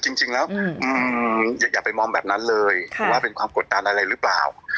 จริงแล้วอย่าไปมองแบบนั้นเลยว่าเป็นความกดดันอะไรหรือเปล่า